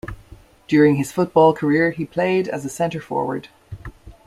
During his football career, he played as a center-forward.